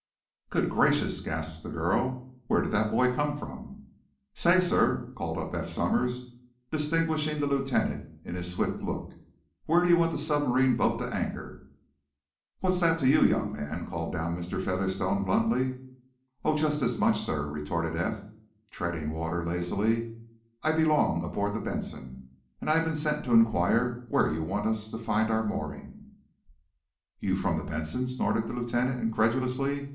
"Good gracious!" gasped the girl. "Where did that boy come from?" "Say, sir," called up Eph Somers, distinguishing the lieutenant in his swift look, "where do you want the submarine boat to anchor?" "What's that to you, young man?" called down Mr. Featherstone, bluntly. "Oh, just this much, sir," retorted Eph, treading water, lazily; "I belong aboard the 'Benson,' and I've been sent to inquire where you want us to find our moorings." "You from the 'Benson'?" snorted the lieutenant, incredulously.